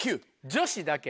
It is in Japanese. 女子だけ？